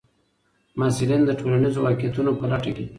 محصلین د ټولنیزو واقعیتونو په لټه کې دي.